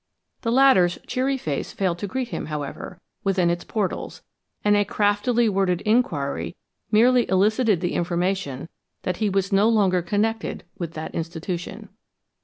The latter's cheery face failed to greet him, however, within its portals, and a craftily worded inquiry merely elicited the information that he was no longer connected with that institution.